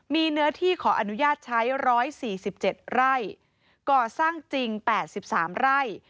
มีเนื้อที่ขออนุญาตใช้๑๔๗ไร่ก่อสร้างจริง๘๓ไร่